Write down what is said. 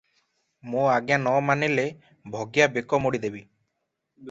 ମୋ ଆଜ୍ଞା ନ ମାନିଲେ ଭଗିଆ ବେକ ମୋଡ଼ିଦେବି ।